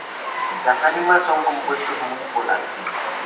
Las aminas son compuestos muy polares.